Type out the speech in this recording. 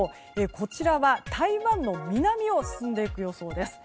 こちらは台湾の南を進んでいく予想です。